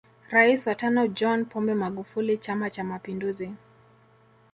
Rais wa tano John Pombe Magufuli chama cha mapinduzi